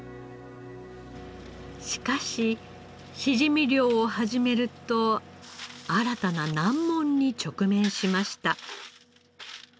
しかししじみ漁を始めると新たな難問に直面しました。